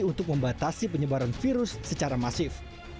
untuk membatasi penyebaran virus secara masif